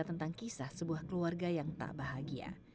tentang kisah sebuah keluarga yang tak bahagia